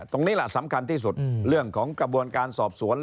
ตรงนี้แหละสำคัญที่สุดเรื่องของกระบวนการสอบสวน